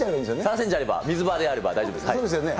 ３センチあれば、水場であれ大丈夫ですよね。